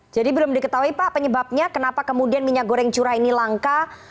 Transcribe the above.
jadi belum diketahui pak penyebabnya kenapa kemudian minyak goreng curah ini langka